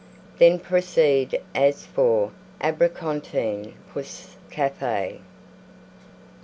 Then proceed as for Abricontine Pousse Cafe.